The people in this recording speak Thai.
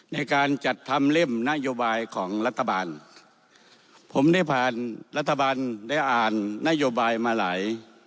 ในการจัดทำเล่มนโยบายของรัฐบาลผมได้ผ่านรัฐบาลได้อ่านนโยบายมาหลาย